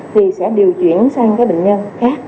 thì sẽ điều chuyển sang các bệnh nhân khác